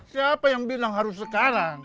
siapa yang bilang harus sekarang